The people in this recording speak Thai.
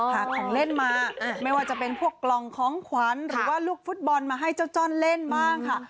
หาของเล่นมาไม่ว่าจะเป็นพวกกล่องของขวัญหรือว่าลูกฟุตบอลมาให้เจ้าจ้อนเล่นบ้างค่ะ